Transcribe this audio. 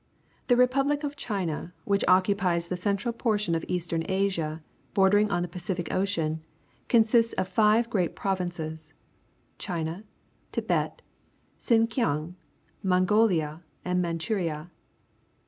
— The re public of China, which occupies the central portion of Eastern Asia bordering on the Pacific Ocean, consists of five great prov inces — China, Tibet, Sinkiang, Mong olia, and Manchuria.